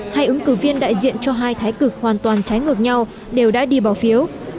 hai ứng cử viên đại diện cho hai thái cực hoàn toàn trái ngược nhau đều đã đi bỏ phiếu